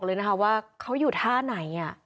เลยนะคะว่าเขาอยู่ท่าไหน